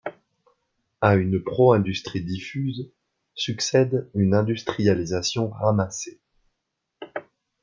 À une pro-industrie diffuse succède une industrialisation ramassée.